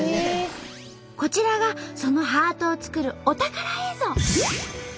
こちらがそのハートを作るお宝映像。